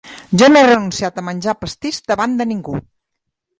Jo no he renunciat a menjar pastís davant de ningú.